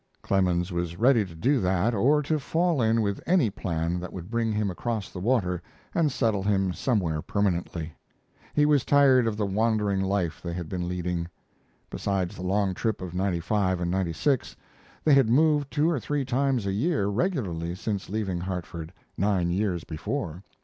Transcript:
Clemens was ready to do that or to fall in with any plan that would bring him across the water and settle him somewhere permanently. He was tired of the wandering life they had been leading. Besides the long trip of '95 and '96 they had moved two or three times a year regularly since leaving Hartford, nine years before.